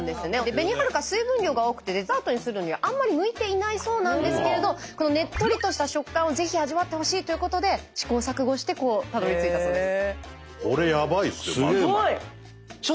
べにはるか水分量が多くてデザートにするのにはあんまり向いていないそうなんですけれどこのねっとりとした食感をぜひ味わってほしいということで試行錯誤してたどりついたそうです。